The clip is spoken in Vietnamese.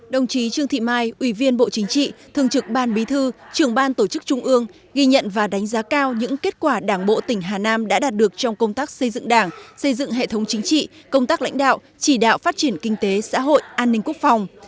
đồng chí trương thị mai ủy viên bộ chính trị thường trực ban bí thư trưởng ban tổ chức trung ương ghi nhận và đánh giá cao những kết quả đảng bộ tỉnh hà nam đã đạt được trong công tác xây dựng đảng xây dựng hệ thống chính trị công tác lãnh đạo chỉ đạo phát triển kinh tế xã hội an ninh quốc phòng